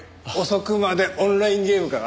遅くまでオンラインゲームか？